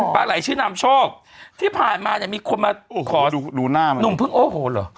ปลาไหล่ชื่อนำโชคที่ผ่านมามีคนมาขอหนุ่มพึ่งโอ้โหเหรอ